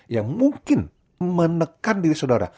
yang mungkin menekan diri saudara